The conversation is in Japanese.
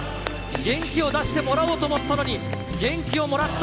元気を出してもらおうと思ったのに、元気をもらった。